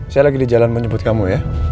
saya lagi di jalan mau nyebut kamu ya